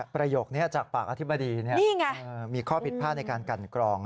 ประโยคนี้จากปากอธิบดีเนี่ยนี่ไงมีข้อผิดพลาดในการกรรกรอง